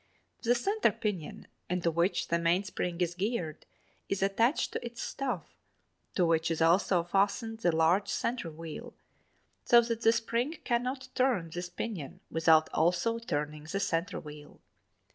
The center pinion into which the mainspring is geared is attached to its staff to which is also fastened the large center wheel (2) so that the spring cannot turn this pinion without also turning the center wheel.